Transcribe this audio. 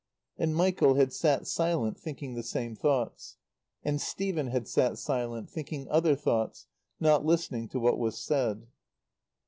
And Michael had sat silent, thinking the same thoughts. And Stephen had sat silent, thinking other thoughts, not listening to what was said.